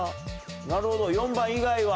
なるほど４番以外は。